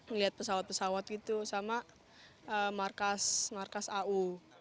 ngelihat pesawat pesawat gitu sama markas au